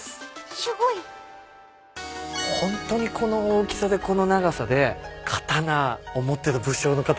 ［すごい］ホントにこの大きさでこの長さで刀を持ってた武将の方がいるってことですね。